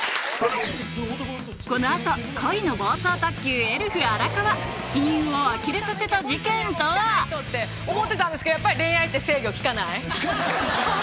この後恋の暴走特急エルフ・荒川親友をあきれさせた事件とは？思ってたんですけどやっぱり恋愛って制御利かない。